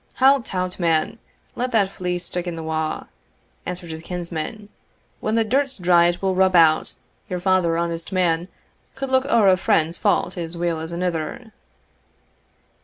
"Hout tout, man! let that flee stick in the wa'," answered his kinsman; "when the dirt's dry it will rub out Your father, honest man, could look ower a friend's fault as weel as anither."